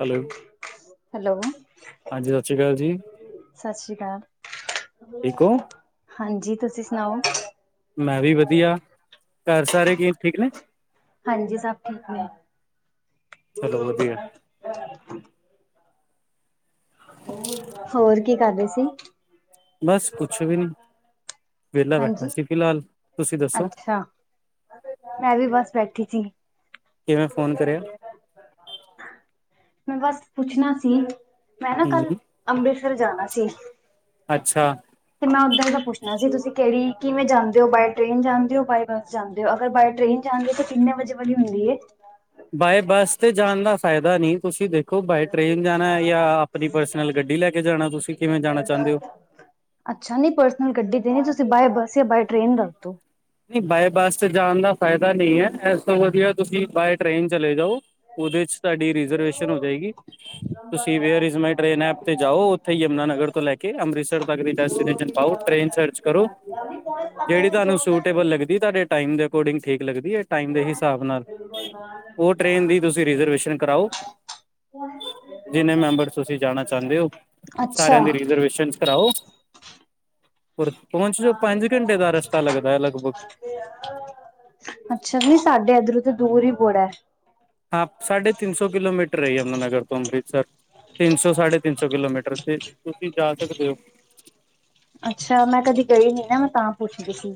Hello. Hello. ਹਾਂ ਜੀ। ਸਤਿ ਸ਼੍ਰੀ ਅਕਾਲ ਜੀ। ਸਤਿ ਸ੍ਰੀ ਅਕਾਲ। ਠੀਕ ਹੋ ਹਾਂਜੀ ਤੁਸੀਂ ਸੁਣਾਉ। ਮੈਂ ਵੀ ਵਧੀਆ। ਘਰ ਸਾਰੇ ਗੀਤ ਠੀਕ ਨੇ। ਹਾਂਜੀ ਸਭ ਠੀਕ ਨੇ। ਚਲੋ ਵਧੀਆ ਹੋਰ ਕੀ ਕਰਦੇ ਸੀ? ਬਸ ਕੁਝ ਵੀ ਨੀ। ਵਿਹਲਾ ਬੈਠਾ ਹਾਂਜੀ ਸੀ ਫਿਲਹਾਲ। ਤੁਸੀਂ ਦੱਸੋ? ਅੱਛਾ ਮੈਂ ਵੀ ਬਸ ਬੈਠੀ ਸੀ ਕਿਵੇਂ ਫੋਨ ਕਰਿਆ ਮੈਂ ਬਸ ਪੁੱਛਣਾ ਸੀ ਮੈਂ ਨਾ ਕੱਲ ਹਮ ਅੰਮ੍ਰਿਤਸਰ ਜਾਣਾ ਸੀ ਅੱਛਾ ਤੇ ਮੈਂ ਉੱਦਰ ਦਾ ਪੁੱਛਣਾ ਸੀ ਤੁਸੀਂ ਕਿਹੜੀ ਕਿਵੇਂ ਜਾਂਦੇ ਹੋ ਬਾਏ ਟ੍ਰੇਨ ਜਾਂਦੇ ਹੋ ਬਾਏ ਬੱਸ ਜਾਂਦੇ ਹੋ ਅਗਰ ਬਾਏ ਟ੍ਰੇਨ ਜਾਂਦੇ ਹੋ ਤਾਂ ਕਿੰਨੇ ਵਜੇ ਵਾਲੀ ਹੁੰਦੀ ਏ ਬਾਏ ਬੱਸ ਤੇ ਜਾਣ ਦਾ ਫਾਇਦਾ ਨਹੀਂ ਤੁਸੀਂ ਦੇਖ ਦੇਖੋ ਬਾਏ ਟ੍ਰੇਨ ਜਾਣਾ ਯਾਂ ਆਪਣੀ ਪਰਸਨਲ ਗੱਡੀ ਲੈ ਕੇ ਜਾਣਾ ਤੁਸੀਂ ਕਿਵੇਂ ਜਾਣਾ ਚਾਹੁੰਦੇ ਹੋ ਅੱਛਾ ਨੀ ਪਰਸਨਲ ਗੱਡੀ ਤੇ ਨੀ ਤੁਸੀਂ ਬਾਏ ਬੱਸ ਯਾਂ ਬਾਏ ਟ੍ਰੇਨ ਦਸਦੋ ਨਹੀਂ ਬਾਏ ਬੱਸ ਤੇ ਜਾਣ ਦਾ ਫਾਇਦਾ ਨਹੀਂ ਹੈ ਇਸ ਤੋਂ ਵਧੀਆ ਤੁਸੀਂ ਬਾਏ ਟ੍ਰੇਨ ਚਲੇ ਜਾਓ ਉਹਦੇ ਚ ਤੁਹਾਡੀ ਰਿਜਰਵੇਸ਼ਨ ਹੋ ਜਾਏਗੀ ਤੁਸੀਂ where is my train app ਤੇ ਜਾਓ ਓਥੇ ਯਮੁਨਾ ਨਗਰ ਤੋਂ ਲੈ ਕੇ ਅੰਮ੍ਰਿਤਸਰ ਤਕ ਦੀ ਡੇਸਟੀਨੇਸ਼ਨ ਪਾਓ ਟ੍ਰੇਨ ਸਰਚ ਕਰੋ ਜਿਹੜੀ ਤੁਹਾਨੂੰ ਸੂਟੇਬਲ ਲੱਗਦੀ ਤੁਹਾਡੇ ਟਾਈਮ ਦੇ ਅਕੋਰਡਿੰਗ ਠੀਕ ਲਗਦੀ ਹੈ ਟਾਈਮ ਦੇ ਹਿਸਾਬ ਨਾਲ ਉਹ ਟ੍ਰੇਨ ਦੀ ਤੁਸੀਂ ਰਿਜ਼ਰਵੇਸ਼ਨ ਕਰਾਓ ਜਿੰਨੇ ਮੈਂਮਬਰ ਤੁਸੀਂ ਜਾਣਾ ਚਾਹੁੰਦੇ ਹੋ ਅੱਛਾ ਸਾਰਿਆਂ ਦੀ ਰਿਜ਼ਰਵੇਸ਼ਨ ਕਰਾਓ ਪਹੁੰਚ ਜੋ ਪੰਜ ਘੰਟੇ ਦਾ ਰਸਤਾ ਲੱਗਦਾ ਹੈ ਲਗਭਗ [inaudible] ਅੱਛਾ ਜੀ ਸਾਡੇ ਇੱਧਰੋਂ ਦੀ ਦੂਰ ਹੀ ਬੜਾ ਹੈ ਹਾਂ ਸਾਢੇ ਤਿੰਨ ਸੌ ਕਿਲੋਮੀਟਰ ਏ ਯਮੁਨਾਨਗਰ ਤੋਂ ਅੰਮ੍ਰਿਤਸਰ ਤਿੰਨ ਸੌ ਸਾਢੇ ਤਿੰਨ ਸੌ ਕਿਲੋਮੀਟਰ ਤੇ ਤੁਸੀਂ ਜਾ ਸਕਦੇ ਹੋ ਅੱਛਾ ਮੈਂ ਕਦੀ ਗਈ ਨੀ ਨਾ ਮੈਂ ਤਾਂ ਪੁੱਛਦੀ ਸੀ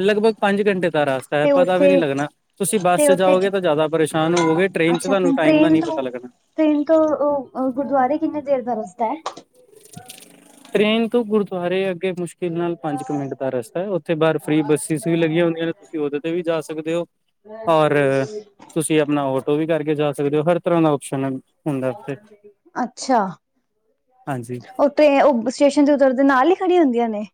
ਲਗਭਗ ਪੰਜ ਘੰਟੇ ਦਾ ਰਾਸਤਾ ਟਾਈਮ ਤੇ ਪਤਾ ਵੀ ਉੱਥੇ ਨਹੀਂ ਲੱਗਣਾ ਤੁਸੀਂ ਬੱਸ ਤੇ ਚ ਉੱਥੇ ਜਾਓਗੇ ਤਾਂ ਜ਼ਿਆਦਾ ਪਰੇਸ਼ਾਨ ਹੋਵੋਗੇ ਟ੍ਰੇਨ ਚ ਅੱਛਾ ਤੇ ਤੁਹਾਨੂੰ ਟਾਈਮ ਦਾ ਟ੍ਰੇਨ ਨਹੀਂ ਤੋਂ ਪਤਾ ਲੱਗਣਾ ਤੋਂ ਇਨਕਾ ਅ ਅਵ ਗੁਰਦੁਆਰੇ ਕਿੰਨੇ ਦੇਰ ਦਾ ਰਸਤਾ ਹੈ ਟ੍ਰੇਨ ਤੋਂ ਗੁਰਦੁਆਰੇ ਅੱਗੇ ਮੁਸ਼ਕਿਲ ਨਾਲ ਪੰਜ ਕੁ ਮਿੰਟ ਦਾ ਰਸਤਾ ਏ ਉਥੇ ਬਾਹਰ ਫਰੀ ਬੱਸਿਸ ਵੀ ਲੱਗੀਆਂ ਹੁੰਦੀਆਂ ਨੇ ਤੁਸੀਂ ਉਹਦ ਤੇ ਵੀ ਜਾ ਸਕਦੇ ਹੋ ਔਰ ਤੁਸੀਂ ਅਪਨਾ ਓਟੋ ਵੀ ਕਰਕੇ ਜਾ ਸਕਦੇ ਹੋ, ਹਰ ਤਰ੍ਹਾਂ ਦਾ ਆਪਓਸ਼ਨ ਹੈ। ਅੱਛਾ ਹਾਂਜੀ। ਓਹ ਤੇ ਉਹ, ਸਟੇਸ਼ਨ' ਚ ਉਤਰ ਦੇ ਨਾਲ ਹੀ ਖੜੀਆਂ ਹੁੰਦੀਆਂ ਨੇ।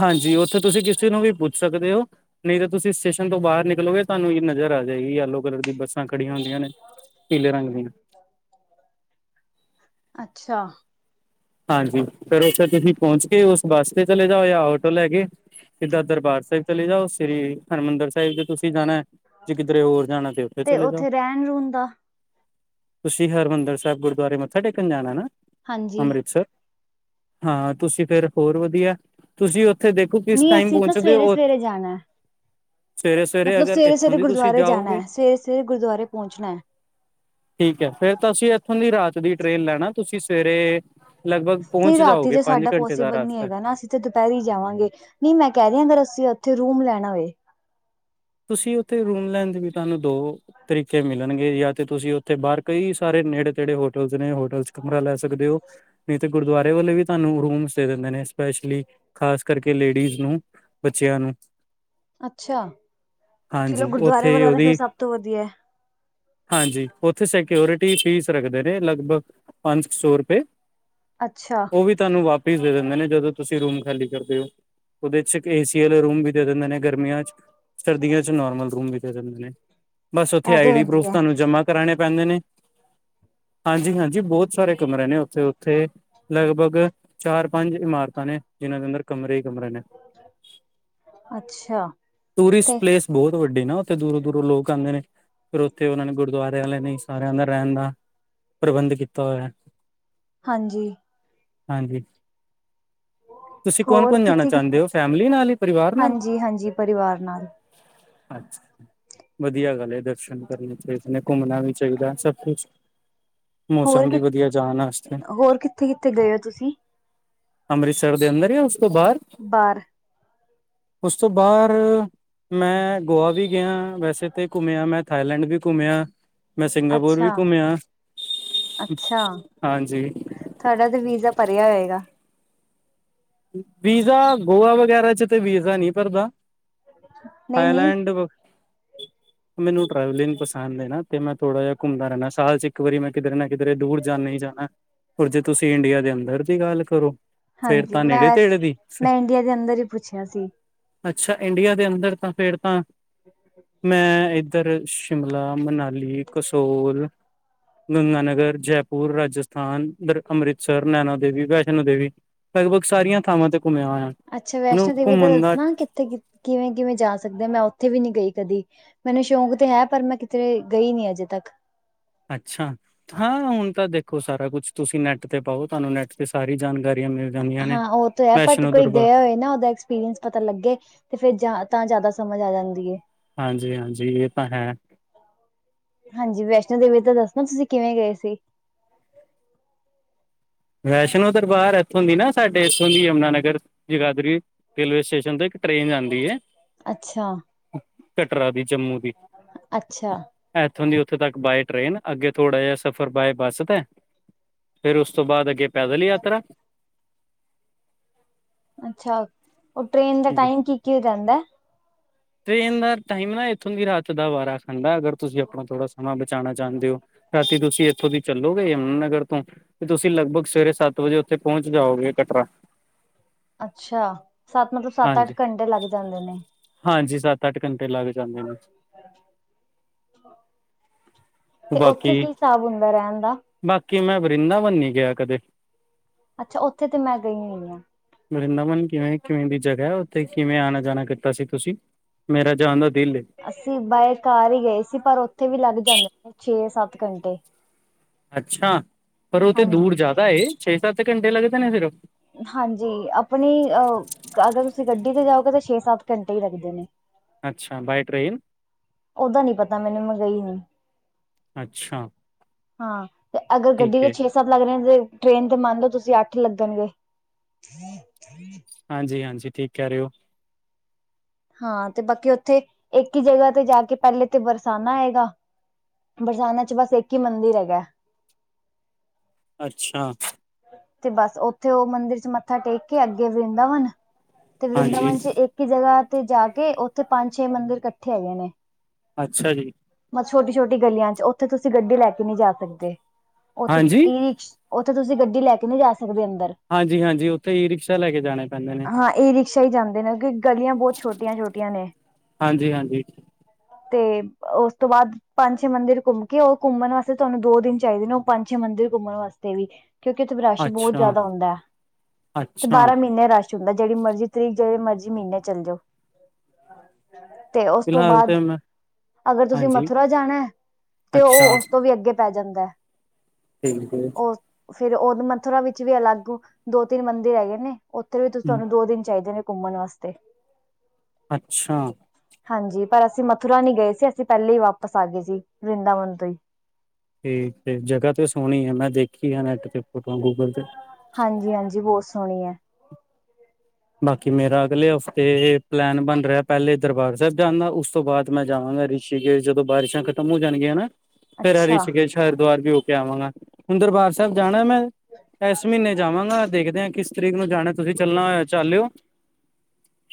ਹਾਂਜੀ, ਉੱਥੇ ਤੁਸੀਂ ਕਿਸੇ ਨੂੰ ਵੀ ਪੁੱਛ ਸਕਦੇ ਹੋ ਨਹੀਂ ਤਾਂ ਤੁਸੀਂ ਸਟੇਸ਼ਨ ਤੋਂ ਬਾਹਰ ਨਿਕਲੋਗੇ, ਤੁਹਾਨੂੰ ਇਹ ਨਜ਼ਰ ਆ ਜਾਏਗੀ ਯਲੋ ਕਲਰ ਦੀ ਬੱਸਾਂ ਖੜੀਆਂ ਹੁੰਦੀਆਂ ਨੇ, ਪੀਲੇ ਰੰਗ ਦੀਆਂ। ਅੱਛਾ। ਹਾਂਜੀ, ਫਿਰ ਉਸਤੇ ਤੁਸੀਂ ਪਹੁੰਚਕੇ ਉਸ ਬੱਸ ਤੇ ਚਲੇ ਜਾਓ, ਯਾ ਆਟੋ ਲੈਕੇ ਸਿੱਧਾ ਦਰਬਾਰ ਸਾਹਿਬ ਚਲੇ ਜਾਓ, ਸ੍ਰੀ ਹਰਿਮੰਦਰ ਸਾਹਿਬ ਤੁਸੀ ਜਾਣਾ ਜੇ ਕਿਧਰੇ ਹੋਰ ਜਾਣਾ, ਤੇ ਉੱਥੇ ਚਲੇ ਜਾਓ। ਰਹਿਣ ਰੂਣ ਦਾ ਤੁਸੀਂ 'ਹਰਿਮੰਦਰ ਸਾਹਿਬ' ਗੁਰਦੁਆਰੇ ਮੱਥਾ ਟੇਕਣ ਜਾਣਾ ਨਾ? ਹਾਂਜੀ ਅੰਮ੍ਰਿਤਸਰ ਹਾਂ ਤੁਸੀਂ ਫਿਰ ਹੋਰ ਵਧੀਆ ਤੁਸੀਂ ਉੱਥੇ ਦੇਖੋ ਕਿਸ ਨਹੀਂ ਟਾਈਮ ਅਸੀਂ ਤਾਂ ਪਹੁੰਚਦੇ ਸਵੇਰੇ ਓ ਸਵੇਰੇ ਜਾਣਾ ਹੈ ਮਤਲਬ ਸਵੇਰੇ ਸਵੇਰੇ ਗੁਰਦੁਆਰੇ ਜਾਣਾ ਜਾਓਗੇ ਹੈ ਸਵੇਰੇ ਸਵੇਰੇ ਗੁਰਦੁਆਰੇ ਪਹੁੰਚਣਾ ਹੈ ਠੀਕ ਹੈ ਫਿਰ ਤਾਂ ਅਸੀਂ ਇੱਥੋਂ ਦੀ ਰਾਤ ਦੀ ਟ੍ਰੇਨ ਲੈਣਾ ਤੁਸੀਂ ਸਵੇਰੇ ਲਗਭਗ ਨਹੀਂ ਪਹੁੰਚ ਰਾਤੀ ਜਾਓਗੇ ਤੇ ਪੰਜ ਸਾਡਾ ਘੰਟੇ ਦਾ ਪੋਸੀਬਲ ਨਹੀਂ ਰਸਤਾ ਹੈਗਾ ਨਾ ਅਸੀਂ ਅਸੀਂ ਤੇ ਦੁਪਹਿਰੀ ਜਾਵਾਂਗੇ ਨਹੀਂ ਮੈਂ ਕਹਿ ਰਹੀ ਆ ਅਗਰ ਅਸੀਂ ਉੱਥੇ ਰੂਮ ਲੈਣਾ ਹੋਏ ਤੁਸੀਂ ਉੱਥੇ ਰੂਮ ਲੈਣ ਦੇ ਵੀ ਤੁਹਾਨੂੰ ਦੋ ਤਰੀਕੇ ਮਿਲਣਗੇ ਯਾਂ ਤੇ ਤੁਸੀਂ ਉੱਥੇ ਬਾਹਰ ਕਈ ਸਾਰੇ ਨੇੜੇ ਤੇੜੇ ਹੋਟਲ ਨੇ ਹੋਟਲ ਚ ਕਮਰਾ ਲੈ ਸਕਦੇ ਹੋ ਨਹੀਂ ਤੇ ਗੁਰਦੁਆਰੇ ਵਾਲੇ ਵੀ ਤੁਹਾਨੂੰ ਰੂਮਸ ਦੇ ਦਿੰਦੇ ਨੇ ਸਪੈਸ਼ਲੀ ਖ਼ਾਸ ਕਰਕੇ ਲੇਡੀਜ਼ ਨੂੰ ਬੱਚਿਆਂ ਨੂੰ ਅੱਛਾ ਚਲੋ ਹਾਂਜੀ ਗੁਰਦੁਆਰੇ ਉੱਥੇ ਵਾਲਾ ਤੇ ਫਿਰ ਉਹਦੀ ਸਭ ਤੋਂ ਵਧੀਆ ਏ ਹਾਂਜੀ ਉੱਥੇ ਸਕਿਓਰਿਟੀ ਫੀਸ ਰੱਖਦੇ ਨੇ ਲਗਭਗ ਪੰਜ ਸੌ ਰੁਪਏ ਅੱਛਾ ਉਹ ਵੀ ਤੁਹਾਨੂੰ ਵਾਪਿਸ ਦੇ ਦਿੰਦੇ ਨੇ, ਜਦੋਂ ਤੁਸੀਂ ਰੂਮ ਖਾਲੀ ਕਰਦੇ ਹੋ। ਉਹਦੇ'ਚ ਏਸੀ ਵਾਲੇ ਰੂਮ ਵੀ ਦੇ ਦਿੰਦੇ ਨੇ ਗਰਮੀਆਂ ਚ। ਸਰਦੀਆਂ'ਚ ਨੋਰਮਲ ਰੂਮ ਵੀ ਦੇ ਦਿਂਦੇ ਨੇ, ਬਸ ਉੱਥੇ ਇਹ ਤੇ ਆਈ ਡੀ ਪ੍ਰੂਫ ਵਧੀਆ ਹੈ। ਜਮਾ ਕਰਾਣੇ ਪੈਂਦੇ ਨੇ, ਹਾਂਜੀ-ਹਾਂਜੀ ਬਹੁਤ ਸਾਰੇ ਕਮਰੇ ਨੇ, ਉੱਥੇ ਉੱਥੇ ਲਗਭਗ ਚਾਰ-ਪੰਜ ਇਮਾਰਤਾਂ ਨੇ‌। ਜਿਹਨਾਂ ਦੇ ਅੰਦਰ ਕਮਰੇ ਹੀ ਕਮਰੇ ਨੇ, ਅੱਛਾ। ਤੇ ਟੂਰਿਸਟ ਪਲੇਸ ਬਹੁਤ ਵੱਡੀ ਨਾ, ਉੱਥੇ ਦੂਰੋਂ-ਦੂਰੋਂ ਲੋਕ ਆਂਦੇ ਨੇ। ਤੇ ਉਹਨਾਂ ਨੇ ਗੁਰਦੁਆਰਿਆਂ ਆਲਿਆਂ ਨੇ ਈ ਸਾਰਿਆਂ ਦਾ ਰਹਿਣ ਦਾ ਪ੍ਰਬੰਧ ਕੀਤਾ ਹੋਇਆ। ਹਾਂਜੀ। ਹਾਂਜੀ। ਤੁਸੀ, ਹੋਰ ਕੌਣ-ਕੌਣ ਜਾਣਾ ਕਿੱਥੇ- ਚਾਂਦੇ ਕਿੱਥੇ ਹੋ ਫੈਮਿਲੀ ਨਾਲ ਹੀ, ਪਰਿਵਾਰ ਨਾਲ? ਹਾਂਜੀ- ਹਾਂਜੀ ਪਰਿਵਾਰ ਨਾਲ ਅੱਛਾ, ਵਧੀਆ ਗੱਲ ਏ, ਦਰਸ਼ਨ ਕਰਨੇ ਚਾਹੀਦੇ ਨੇ, ਘੁੰਮਣਾ ਵੀ ਚਾਹੀਦਾ। ਸਭ ਕੁਛ ਹੋਰ ਮੌਸਮ ਵੀ ਕਿ ਵਧੀਆ, ਜਾਣ ਆਸਤੇ। ਹੋਰ ਕਿੱਥੇ- ਕਿੱਥੇ ਗਏ ਹੋ, ਤੁਸੀਂ? ਅੰਮ੍ਰਿਤਸਰ ਦੇ ਅੰਦਰ ਯਾ ਉਸ ਤੋਂ ਬਾਹਰ? ਬਾਹਰ ਉਸ ਤੋਂ ਬਾਹਰ ''ਮੈਂ ਗੋਆ ਵੀ ਗਿਆਂ, ਵੈਸੇ ਤੇ ਘੁੰਮਿਆ ਮੈਂ ਥਾਈਲੈਂਡ ਵੀ ਘੁੰਮਿਆ। ਮੈਂ ਸਿੰਗਾਪੁਰ ਵੀ ਅੱਛਾ- ਘੁੰਮਿਆ, ਹਾਂਜੀ। ਥਾਡਾ ਤਾ ਵੀਜ਼ਾ ਭਰਿਆ ਹੋਏਗਾ। ਵੀਜ਼ਾ, ਗੋਆ ਵਗੈਰਾ'ਚ ਤੇ ਵੀਜ਼ਾ ਨਹੀਂ ਭਰਦਾ। ਨਹੀਂ- ਨਹੀਂ ਥਾਈਲੈਂਡ [inaudible] ਮੈਨੂੰ ਟਰੈਵਲਿੰਗ ਪਸੰਦ ਹੈ ਨਾ, ਤੇ ਮੈਂ ਥੋੜਾ ਜਿਹਾ ਘੁੰਮਦਾ ਰਹਿੰਨਾ ਸਾਲ 'ਚ ਇੱਕ ਵਾਰੀ ਮੈਂ, ਕਿਧਰੇ ਨਾ ਕਿਧਰੇ ਦੂਰ ਜਾਨਾ ਈ ਜਾਣਾ। ਪਰ ਜੇ ਤੁਸੀਂ ਇੰਡੀਆ ਦੇ ਅੰਦਰ ਦੀ ਗੱਲ ਕਰੋ ਫੇਰ ਹਾਂਜੀ ਤਾਂ ਮੈਂ ਨੇੜੇ ਵੈਸ ਤੇੜੇ ਦੀ ਮੈਂ ਇੰਡੀਆ ਦੇ ਅੰਦਰ ਹੀ ਪੁੱਛਿਆ ਸੀ ਅੱਛਾ ਇੰਡੀਆ ਦੇ ਅੰਦਰ ਤਾਂ ਫੇਰ ਤਾਂ ਮੈਂ ਉੱਧਰ ਸ਼ਿਮਲਾ ਮਨਾਲੀ ਕਸੋਲ ਗੰਗਾਨਗਰ, ਜੈਪੁਰ, ਰਾਜਸਥਾਨ, ਅੰਮ੍ਰਿਤਸਰ, ਨੈਣਾ ਦੇਵੀ, ਵੈਸ਼ਨੋ ਦੇਵੀ। ਲਗਭਗ ਸਾਰੀਆਂ ਥਾਵਾਂ ਤੇ ਘੁੰਮਿਆ ਹੋਇਆ। ਅੱਛਾ ਮੈਨੂੰ ਵੈਸ਼ਨੋ ਦੇਵੀ ਦਾ ਘੁੰਮਣ ਦੱਸਣਾ ਕਿੱਥੇ ਕਿਵੇਂ ਕਿਵੇਂ ਜਾ ਸਕਦੇ ਆਂ ਮੈਂ ਉੱਥੇ ਵੀ ਨਹੀਂ ਗਈ ਕਦੀ ਮੈਨੂੰ ਸ਼ੌਂਕ ਤੇ ਹੈ ਪਰ ਮੈਂ ਕਿਧਰੇ ਗਈ ਨੀ ਅਜੇ ਤੱਕ ਅੱਛਾ ਹਾਂ ਹੁਣ ਤਾਂ ਦੇਖੋ ਸਾਰਾ ਕੁਛ ਤੁਸੀਂ ਨੈੱਟ ਤੇ ਪਾਓ ਤੁਹਾਨੂੰ ਨੈੱਟ ਤੇ ਸਾਰੀ ਜਾਣਕਾਰੀਆਂ ਮਿਲ ਜਾਂਦੀਆਂ ਨੇ। ਹਾਂ ਉਹ ਤੇ ਹੈ ਬਟ ਵੈਸ਼ਨੋ ਕੋਈ ਦਰਬਾਰ ਗਿਆ ਹੋਵੇ ਨਾ ਉਹਦਾ ਅੰਸ ਪਤਾ ਲੱਗੇ ਤੇ ਫੇਰ ਤਾਂ ਜ਼ਿਆਦਾ ਸਮਝ ਆ ਜਾਂਦੀ ਹਾਂਜੀ ਹਾਂਜੀ ਇਹ ਤਾਂ ਹੈ ਹਾਂਜੀ, ਵੈਸ਼ਨੋ ਦੇਵੀ ਦਾ ਦੱਸਣਾ ਤੁਸੀਂ ਕਿਵੇਂ ਗਏ ਸੀ? ਵੈਸ਼ਨੋ ਦਰਬਾਰ ਇੱਥੋਂ ਦੀ ਨਾ, ਸਾਡੇ ਇੱਥੋਂ ਦੀ ਯਮੁਨਾ-ਨਗਰ ਜਗਾਦਰੀ ਰੇਲਵੇ ਸਟੇਸ਼ਨ ਤੋ, ਇੱਕ ਟ੍ਰੇਨ ਜਾਂਦੀ ਏ। ਅੱਛਾ। ਕਟਰਾ ਦੀ ਜੰਮੂ ਦੀ। ਅੱਛਾ ਇੱਥੋਂ ਦੀ ਉੱਥੋਂ ਤੱਕ, ਬਾਏ ਟ੍ਰੇਨ, ਅੱਗੇ ਥੋੜਾ ਜਿਹਾ ਸਫ਼ਰ ਬਾਏ ਬੱਸ ਤੇ, ਫਿਰ ਉਸ ਤੋਂ ਬਾਅਦ ਅੱਗੇ ਪੈਦਲ ਯਾਤਰਾ। ਅੱਛਾ, ਉਹ ਟ੍ਰੇਨ ਦਾ ਟਾਈਮ ਕੀ-ਕੀ ਰਹਿੰਦਾ? ਟ੍ਰੇਨ ਦਾ ਟਾਈਮ ਨਾ, ਇੱਥੋਂ ਦੀ ਰਾਤ ਦਾ ਵਾ ਹੁੰਦਾ ਅਗਰ ਤੁਸੀਂ ਆਪਣਾ ਥੋੜਾ ਸਮਾਂ ਬਚਾਣਾ ਚਾਂਦੇ ਹੋ, ਰਾਤੀ ਤੁਸੀਂ ਇੱਥੋਂ ਦੀ ਚੱਲੋਗੇ ਯਮੁਨਾਨਗਰ ਤੋਂ, ਤੇ ਤੁਸੀਂ ਲਗਭਗ ਸਵੇਰੇ ਸੱਤ ਵਜੇ ਉੱਥੇ ਪਹੁੰਚ ਜਾਓਗੇ, ਕਟਰਾ। ਅੱਛਾ, ਸੱਤ ਮਤਲਬ ਸੱਤ-ਅੱਠ ਹਾਂਜੀ ਘੰਟੇ ਲੱਗ ਜਾਂਦੇ ਨੇ। ਹਾਂਜੀ, ਸੱਤ-ਅੱਠ ਘੰਟੇ ਲੱਗ ਜਾਂਦੇ ਨੇ। ਤੇ, ਉੱਥੇ ਬਾਕੀ ਕੀ ਹਿਸਾਬ ਹੁੰਦਾ ਰਹਿਣ ਦਾ? ਬਾਕੀ ਮੈਂ ਵ੍ਰਿੰਦਾਵਨ ਨੀ ਗਿਆ, ਕਦੇ। ਅੱਛਾ, ਉੱਥੇ ਤੇ ਮੈਂ ਗਈ ਹੋਈ ਹਾਂ। ਵਰਿੰਦਾਵਨ ਕਿਵੇਂ ਕਿਵੇਂ ਦੀ ਜਗ੍ਹਾ ਹੈ ਉੱਥੇ ਕਿਵੇਂ ਆਉਣਾ ਜਾਣਾ ਕੀਤਾ ਸੀ ਤੁਸੀਂ। ਮੇਰਾ ਜਾਣ ਦਾ ਦਿੱਲ ਏ। ਅਸੀਂ ਬਾਏ ਕਾਰ ਹੀ ਗਏ ਸੀ ਪਰ ਉੱਥੇ ਵੀ ਲੱਗ ਜਾਂਦੇ ਨੇ ਛੇ ਸੱਤ ਘੰਟੇ। ਅੱਛਾ, ਪਰ ਉਹ ਤੇ ਦੂਰ ਹਾਂਜੀ ਜ਼ਿਆਦਾ ਛੇ ਸੱਤ ਘੰਟੇ ਲੱਗਦੇ ਨੇ ਸਿਰਫ। ਹਾਂਜੀ, ਆਪਣੀ ਅਹ ਅਗਰ ਤੁਸੀਂ ਗੱਡੀ ਤੇ ਜਾਓਗੇ ਤਾਂ ਛੇ ਸੱਤ ਘੰਟੇ ਹੀ ਲੱਗਦੇ ਨੇ। ਅੱਛਾ, ਬਾਏ ਟ੍ਰੇਨ? ਉਹਦਾ ਨੀ ਪਤਾ ਮੈਨੂੰ ਮੈਂ ਗਈ ਨੀ। ਅੱਛਾ, ਹਾਂ ਤੇ ਅਗਰ ਗੱਡੀ ਠੀਕ ਦੇ ਹੈ ਛੇ ਸਭ ਲੱਗ ਰਹੇ ਜੇ ਟ੍ਰੇਨ ਤੇ ਮੰਨ ਲੋ ਤੁਸੀਂ ਅੱਠ ਲੱਗਣਗੇ। ਹਾਂਜੀ-ਹਾਂਜੀ, ਠੀਕ ਕਹਿ ਰਹੇ ਹੋ। ਹਾਂ ਤੇ ਬਾਕੀ ਉੱਥੇ ਇੱਕ ਹੀ ਜਗ੍ਹਾ ਤੇ ਜਾ ਕੇ ਪਹਿਲੇ ਤੇ ਬਰਸਾਨਾ ਆਏਗਾ। ਬਰਸਾਨਾ ਚ ਬਸ ਇੱਕ ਹੀ ਮੰਦਿਰ ਹੈਗਾ। ਅੱਛਾ, ਤੇ ਬਸ ਉੱਥੇ ਉਹ ਮੰਦਿਰ ਚ ਮੱਥਾ ਟੇਕ ਕੇ ਅੱਗੇ ਵਰਿੰਦਾਵਨ ਤੇ ਹਾਂਜੀ ਵਰਿੰਦਾਵਨ ਚ ਇੱਕ ਇੱਕ ਜਗ੍ਹਾ ਤੇ ਜਾ ਕੇ ਉੱਥੇ ਪੰਜ ਛੇ ਮੰਦਿਰ ਇਕੱਠੇ ਹੈਗੇ ਨੇ। ਅੱਛਾ ਜੀ। ਮਤਲਬ ਛੋਟੀ ਛੋਟੀ ਗਲੀਆਂ ਚ ਉੱਥੇ ਤੁਸੀਂ ਗੱਡੀ ਲੈ ਕੇ ਨਹੀਂ ਜਾ ਸਕਦੇ, ਉਥੇ ਹਾਂਜੀ ਈ ਰਿਕਸ਼ ਉੱਥੇ ਤੁਸੀਂ ਗੱਡੀ ਲੈ ਕੇ ਨਹੀਂ ਜਾ ਸਕਦੇ ਅੰਦਰ। ਹਾਂਜੀ ਹਾਂਜੀ ਉੱਥੇ ਈ ਰਿਕਸ਼ਾ ਲੈ ਕੇ ਜਾਣੇ ਪੈਂਦੇ ਨੇ। ਹਾਂ ਈ ਰਿਕਸ਼ਾ ਹੀ ਜਾਂਦੇ ਨੇ ਕਿਉਂਕਿ ਗਲੀਆਂ ਬਹੁਤ ਛੋਟੀਆਂ ਛੋਟੀਆਂ ਨੇ। ਹਾਂਜੀ-ਹਾਂਜੀ। ਤੇ ਉਸ ਤੋਂ ਬਾਅਦ, ਪੰਜ ਛੇ ਮੰਦਿਰ ਘੁੰਮ ਕੇ ਉਹ ਘੁੰਮਣ ਵਾਸਤੇ ਤੁਹਾਨੂੰ ਦੋ ਦਿਨ ਚਾਹੀਦੇ ਨੇ ਉਹ ਪੰਜ ਛੇ ਮੰਦਿਰ ਘੁੰਮਣ ਵਾਸਤੇ ਵੀ। ਕਿਉਂਕਿ ਉੱਥੇ ਰਸ਼ ਬਹੁਤ ਅੱਛਾ ਜ਼ਿਆਦਾ ਹੁੰਦਾ ਹੈ, ਤੇ ਅੱਛਾ ਬਾਰਾਂ ਮਹੀਨੇ ਰਸ਼ ਹੁੰਦਾ ਜਿਹੜੀ ਮਰਜ਼ੀ ਤਰੀਕ ਜਿੜੀ ਮਰਜ਼ੀ ਮਹੀਨੇ ਚੱਲ ਜਾਓ। ਤੇ ਉਸ ਤੋਂ ਫਿਲਹਾਲ ਤੇ ਬਾਅਦ, ਮੈਂ ਅਗਰ ਤੁਸੀਂ ਹਾਂਜੀ ਮਥੁਰਾ ਜਾਣਾ, ਤੇ ਉਹ ਅੱਛਾ ਉਸ ਤੋਂ ਵੀ ਅੱਗੇ ਪੈ ਜਾਂਦਾ। ਠੀਕ ਜੀ। ਉਹ ਫਿਰ ਉਹ ਮੱਥਰਾ ਵਿੱਚ ਵੀ ਅਲੱਗ ਦੋ ਤਿੰਨ ਮੰਦਿਰ ਹੈਗੇ ਨੇ। ਉੱਥੇ ਵੀ ਤੁ ਤੁਹਾਨੂੰ ਦੋ ਦਿਨ ਚਾਹੀਦੇ ਨੇ ਘੁੰਮਣ ਵਾਸਤੇ। ਅੱਛਾ। ਹਾਂਜੀ ਪਰ ਅਸੀਂ ਮਥੁਰਾ ਨੀ ਗਏ ਸੀ ਅਸੀਂ ਪਹਿਲੇ ਹੀ ਵਾਪਸ ਆ ਗਏ ਸੀ ਵਰਿੰਦਾਵਨ ਤੋਂ ਹੀ। ਠੀਕ ਤੇ ਜਗ੍ਹਾ ਤੇ ਸੋਹਣੀ ਆ ਮੈਂ ਦੇਖੀ ਆ ਨੈਟ ਤੇ ਗੂਗਲ ਤੇ। ਹਾਂਜੀ-ਹਾਂਜੀ ਬਹੁਤ ਸੋਹਣੀ ਹੈ। ਬਾਕੀ ਮੇਰਾ ਅਗਲੇ ਹਫ਼ਤੇ ਪਲੈਨ ਬਣ ਰਿਹਾ ਪਹਿਲੇ ਦਰਬਾਰ ਸਾਹਿਬ ਜਾਦਾ ਉਸ ਤੋਂ ਬਾਅਦ ਮੈਂ ਜਾਵਾਂਗਾ ਰਿਸ਼ਕੇਸ਼ ਜਦੋ ਬਾਰਿਸ਼ਾਂ ਖਤਮ ਹੋ ਜਾਣਗੀਆ ਹਨਾ ਫੇਰ ਹ ਅੱਛਾ ਰਿਸ਼ਕੇਸ਼ ਹਰਿਦੁਵਾਰ ਵੀ ਹੋ ਕੇ ਆਵਾਂਗਾ ਹੁਣ ਦਰਬਾਰ ਸਾਹਿਬ ਜਾਣਾ ਮੈਂ ਇਸ ਮਹੀਨੇ ਜਾਵਾਂਗਾ ਦੇਖਦੇ ਹਾਂ ਕਿਸ ਤਰੀਕ ਨੂੰ ਜਾਣਾ ਤੁਸੀਂ ਚੱਲਣਾ ਹੋਇ ਚੱਲਿਓ।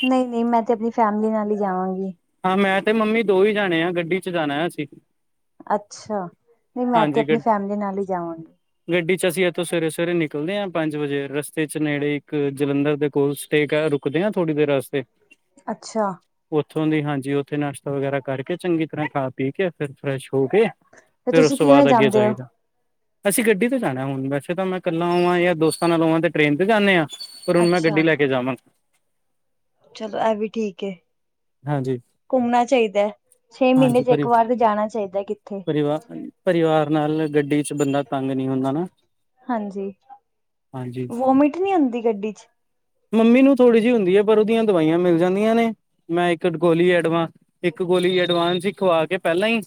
ਨਹੀਂ ਨਹੀਂ ਮੈਂ ਤੇ ਆਪਣੀ ਫੈਮਲੀ ਨਾਲ ਹੀ ਜਾਵਾਂਗੀ। ਹਾਂ ਮੈਂ ਤੇ ਮੰਮੀ ਦੋ ਹੀ ਜਾਣੇ ਆ ਗੱਡੀ ਚ ਜਾਣਾ ਆ ਅਸੀਂ। ਅੱਛਾ, ਨਹੀਂ ਮੈਂ ਤੇ ਹਾਂਜੀ ਆਪਣੀ ਗ ਫੈਮਿਲੀ ਨਾਲ ਹੀ ਜਾਵਾਂਗੀ। ਗੱਡੀ ਚ ਅਸੀਂ ਇੱਥੋਂ ਸਵੇਰੇ ਸਵੇਰੇ ਨਿਕਲਦੇ ਹਾਂ ਪੰਜ ਵਜੇ ਰਸਤੇ ਚ ਨੇੜੇ ਇੱਕ ਜਲੰਧਰ ਦੇ ਕੋਲ ਸਟੇ ਰੁਕ ਦਿਆ ਥੋੜੀ ਦੇਰ ਰਸਤੇ, ਅੱਛਾ, ਉੱਥੋਂ ਦੀ ਹਾਂਜੀ ਉੱਥੇ ਨਾਸ਼ਤਾ ਵਗੈਰਾ ਕਰਕੇ ਚੰਗੀ ਤਰ੍ਹਾਂ ਖਾ ਪੀ ਕੇ ਫਿਰ ਫਰੈਸ਼ ਹੋ ਕੇ। ਤੇ ਫਿਰ ਉਸ ਤੁਸੀਂ ਤੋਂ ਕਿਵੇਂ ਬਾਅਦ ਅੱਗੇ ਜਾਂਦੇ ਹੋ ਜਾਈਦਾ। ਅਸੀਂ ਗੱਡੀ ਤੋਂ ਜਾਣਾ ਹੁਣ ਵੈਸੇ ਤਾਂ ਮੈਂ ਇਕੱਲਾ ਹੋਵਾ ਜਾਂ ਦੋਸਤਾਂ ਨਾਲ ਹੋਵਾ ਤੇ ਟਰੇਨ 'ਤੇ ਜਾਂਦੇ ਹਾਂ। ਪਰ ਹੁਣ ਮੈਂ ਗੱਡੀ ਅੱਛਾ ਲੈ ਕੇ ਜਾਵਾਂਗਾ। ਚਲੋ ਇਹ ਵੀ ਠੀਕ ਹੈ। ਹਾਂਜੀ ਘੁੰਮਣਾ ਚਾਹੀਦਾ, ਛੇ ਮਹੀਨੇ ਹਾਂਜੀ 'ਚ ਪਰਿ ਇੱਕ ਵਾਰ ਤੇ ਜਾਣਾ ਚਾਹੀਦਾ ਕਿੱਥੇ। ਪਰਿਵਾ ਪਰਿਵਾਰ ਨਾਲ ਗੱਡੀ 'ਚ ਬੰਦਾ ਤੰਗ ਨਹੀਂ ਹੁੰਦਾ ਨਾ। ਹਾਂਜੀ, ਹਾਂਜੀ ਵੋਮਿਟ ਨਹੀਂ ਆਉਂਦੀ ਗੱਡੀ 'ਚ। ਮੰਮੀ ਨੂੰ ਥੋੜ੍ਹੀ ਜਿਹੀ ਹੁੰਦੀ ਹੈ ਪਰ ਉਹਦੀਆਂ ਦਵਾਈਆਂ ਮਿਲ ਜਾਂਦੀਆਂ ਨੇ। ਮੈਂ ਇੱਕ ਗੋਲੀ ਐਡਵਾਂਸ, ਇੱਕ ਗੋਲੀ ਐਡਵਾਂਸ ਹੀ ਖਵਾ ਕੇ ਪਹਿਲਾਂ ਹੀ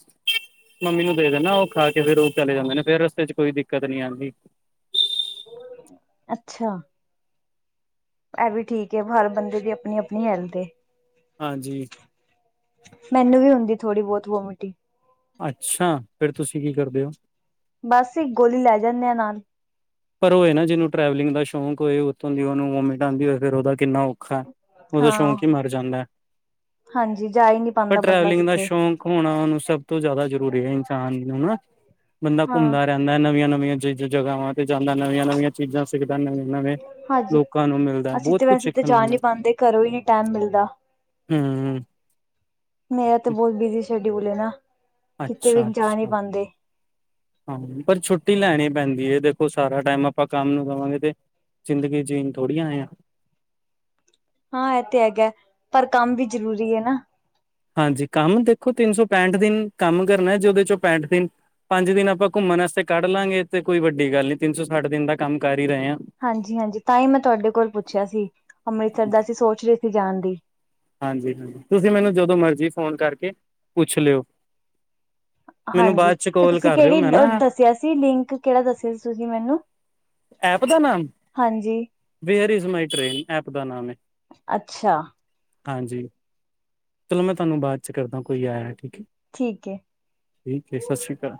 ਮੰਮੀ ਨੂੰ ਦੇ ਦਿੰਦਾ, ਉਹ ਖਾ ਕੇ ਫੇਰ ਉਹ ਚਲੇ ਜਾਂਦੇ ਨੇ ਫੇਰ ਰਸਤੇ 'ਚ ਕੋਈ ਦਿੱਕਤ ਨੀ ਆਉਂਦੀ। ਅੱਛਾ। ਇਹ ਵੀ ਠੀਕ ਹੈ, ਹਰ ਬੰਦੇ ਦੀ ਆਪਣੀ- ਆਪਣੀ ਹੈਲਥ ਏ। ਹਾਂਜੀ। ਮੈਨੂੰ ਵੀ ਹੁੰਦੀ ਥੋੜ੍ਹੀ ਬਹੁਤ ਵੋਮਟਿੰਗ। ਅੱਛਾ, ਫਿਰ ਤੁਸੀਂ ਕੀ ਕਰਦੇ ਹੋ। ਬਸ, ਗੋਲੀ ਲੈ ਜਾਂਦੇ ਹਾਂ ਨਾਲ। ਪਰ ਹੋਏ ਨਾ ਜਿਹਨੂੰ ਟਰੈਵਲਿੰਗ ਦਾ ਸ਼ੌਕ ਹੋਏ ਉੱਥੋਂ ਦੀ ਉਹਨੂੰ ਵੋਮਿਟ ਆਉਂਦੀ ਹੋ ਫਿਰ ਉਹਦਾ ਕਿਨਾ ਔਖਾ, ਉਹਦਾ ਹਾਂ ਸ਼ੌਂਕ ਹੀ ਮਰ ਜਾਂਦਾ। ਹਾਂਜੀ ਜਾ ਹੀ ਨਹੀਂ ਪਾਉਂਦਾ ਬੰਦਾ ਕਿੱਥੇ। ਘੁੰਮਣਾ ਨੂੰ ਸਭ ਤੋਂ ਜ਼ਿਆਦਾ ਜ਼ਰੂਰੀ ਹੈ ਇਨਸਾਨ ਨੂੰ ਹਨਾ, ਬੰਦਾ ਹਾਂ ਘੁੰਮਦਾ ਰਹਿੰਦਾ ਨਵੀਆਂ, - ਨਵੀਆਂ ਚੀ ਜਗ੍ਹਾਵਾਂ ਤੇ ਜਾਂਦਾ ਨਵੀਆਂ, ਨਵੀਆਂ ਚੀਜ਼ਾਂ ਸਿੱਖਦਾ ਨਵਂ ਨਵੇਂ ਹਾਂਜੀ ਲੋਕਾਂ ਨੂੰ ਮਿਲਦਾ, ਅਸੀਂ ਬਹੁਤ ਤੇ ਕੁਛ ਵੈਸੇ ਤੇ ਸਿੱਖਣ ਨੂੰ ਜਾ ਮਿ ਨਹੀਂ ਪਾਉਂਦੇ ਘਰੋਂ ਹੀ ਨਹੀਂ ਟਾਈਮ ਮਿਲਦਾ ਹਮਮ ਮੇਰਾ ਤਾਂ ਬਹੁਤ ਬਿਜੀ ਸ਼ਡਿਊਲ ਹੈ ਨਾ, ਕਿਤੇ ਵੀ ਜਾ ਨਹੀਂ ਅੱਛਾ-ਅੱਛਾ ਪਾਉਂਦੇ। ਹਾਂ, ਪਰ ਛੁੱਟੀ ਲੈਣੀ ਪੈਂਦੀ ਹੈ ਦੇਖੋ ਸਾਰਾ ਟਾਈਮ ਆਪਾਂ ਕੰਮ ਨੂੰ ਦੇਵਾਂਗੇ ਤੇ ਜ਼ਿੰਦਗੀ ਜੀਨ ਥੋੜ੍ਹੀ ਆਏ ਆਂ। ਹਾਂ, ਐਹ ਤੇ ਹੈਗਾ, ਪਰ ਕੰਮ ਵੀ ਜ਼ਰੂਰੀ ਏ ਨਾ। ਹਾਂਜੀ, ਕੰਮ ਦੇਖੋ ਤਿੰਨ ਸੌ ਪੈਂਹਠ ਦਿਨ ਕੰਮ ਕਰਨਾ, ਜੇ ਓਹਦੇ ਚੋਂ ਪੈਂਹਠ ਦਿਨ ਪੰਜ ਦਿਨ ਆਪਾਂ ਘੁੰਮਣ ਵਾਸਤੇ ਕੱਢ ਲਵਾਂਗੇ ਤੇ ਕੋਈ ਵੱਡੀ ਗੱਲ ਨੀ, ਤਿੰਨ ਸੌ ਸੱਠ ਦਿਨ ਦਾ ਕੰਮ ਕਰ ਹੀ ਰਹੇ ਆਂ। ਹਾਂਜੀ ਹਾਂਜੀ, ਤਾਂਹੀ ਮੈਂ ਤੁਹਾਡੇ ਕੋਲ ਪੁੱਛਿਆ ਸੀ ਅੰਮ੍ਰਿਤਸਰ ਦਾ ਅਸੀਂ ਸੋਚ ਰਹੇ ਸੀ ਜਾਣ ਦਾ। ਹਾਂਜੀ- ਹਾਂਜੀ, ਤੁਸੀਂ ਮੈਨੂੰ ਜਦੋਂ ਮਰਜ਼ੀ ਫ਼ੋਨ ਕਰਕੇ ਪੁੱਛ ਲਿਓ। ਮੈਨੂੰ ਬਾਅਦ 'ਚ ਕੋਲ ਕਰ ਲਿਓ, ਮੈਂ ਨਾ ਕਿਆ ਸੀ। ਲਿੰਕ ਕਿਹੜਾ ਦੱਸਿਆ ਸੀ ਤੁਸੀਂ ਮੈਨੂੰ? ਐਪ ਦਾ ਨਾਮ, ਹਾਂਜੀ where is my train, app ਦਾ ਨਾਮ ਏ। ਅੱਛਾ ਹਾਂਜੀ, ਚਲੋ ਮੈਂ ਤੁਹਾਨੂੰ ਬਾਅਦ 'ਚ ਕਰਦਾ ਕੋਈ ਆਇਆ, ਠੀਕ ਏ। ਠੀਕ ਹੈ। ਠੀਕ ਏ, ਸਤਿ ਸ੍ਰੀ ਅਕਾਲ